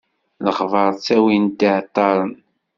Lexbaṛ ttawin-t iɛeṭṭaṛen.